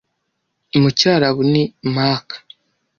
mu cyarabu ni Makkah